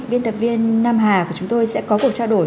biên tập viên nam hà của chúng tôi sẽ có cuộc trao đổi